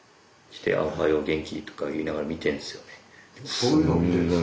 そういうのを見てるんですか？